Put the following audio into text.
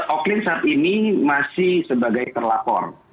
oklin saat ini masih sebagai terlapor